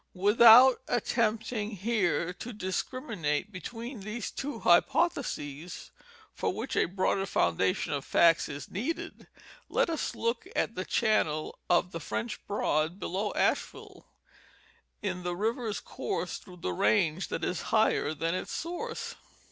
Without attempting here to discriminate between these two hypotheses, for which a broader foundation of facts is needed, let us look at the channel of the French Broad below Asheville, in the river's course through the range that is higher than its source.